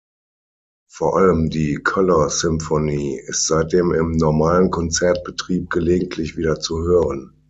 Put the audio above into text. Vor allem die "Colour Symphony" ist seitdem im normalen Konzertbetrieb gelegentlich wieder zu hören.